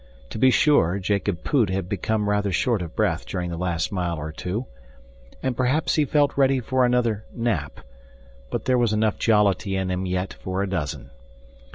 To be sure, Jacob Poot had become rather short of breath during the last mile of two, and perhaps he felt ready for another nap, but there was enough jollity in him yet for a dozen.